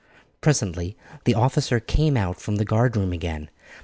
Presently the officer came out from the guard room again.